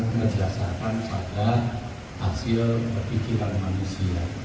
menjelaskan pada hasil kepikiran manusia